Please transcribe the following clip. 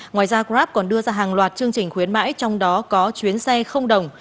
ngoài ra grab còn đưa ra hàng loạt chương trình khuyến mãi trong đó có chuyến xe không đồng